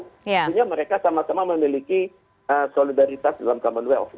sehingga mereka sama sama memiliki solidaritas dalam commonwealth of nations